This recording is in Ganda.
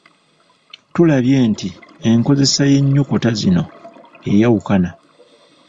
Tulabye nti enkozesa y'ennyukuta zino eyawukana.